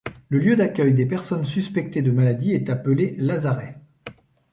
Le lieu d'accueil des personnes suspectées de maladie est appelé lazaret.